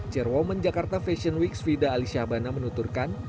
chairwoman jakarta fashion week svida alisya habana menuturkan